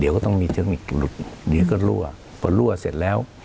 เดี๋ยวก็ต้องมีเทคนิคหลุดเดี๋ยวก็รั่วพอรั่วเสร็จแล้ว